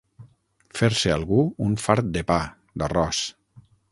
Fer-se algú un fart de pa, d'arròs.